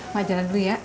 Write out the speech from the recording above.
pak jalan dulu ya